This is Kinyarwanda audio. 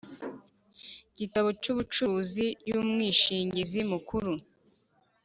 Gitabo cy ubucuruzi y umwishingizi mukuru